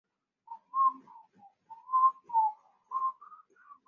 湾岸习志野交流道是一座位于日本千叶县习志野市的东关东自动车道之交流道。